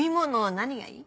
何がいい？